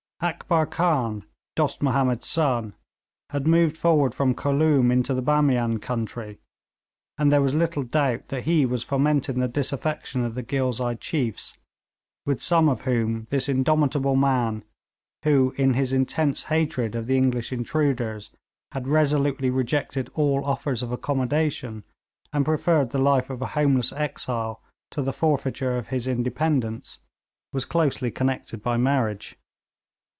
Akbar Khan, Dost Mahomed's son, had moved forward from Khooloom into the Bamian country, and there was little doubt that he was fomenting the disaffection of the Ghilzai chiefs, with some of whom this indomitable man, who in his intense hatred of the English intruders had resolutely rejected all offers of accommodation, and preferred the life of a homeless exile to the forfeiture of his independence, was closely connected by marriage.